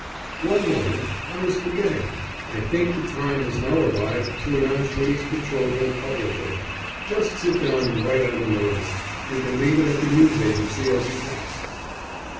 "One moment, I was forgetting. I think the time has now arrived to announce Winnie's betrothal publicly. Just sit down and write out a notice; you can leave it at the News Agency as you pass."